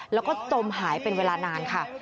แล้วก็จมหายเป็นเวลานานค่ะ